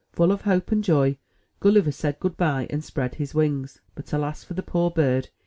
Full of hope and joy, Gulliver said good by, and spread his wings; but alas for the poor bird!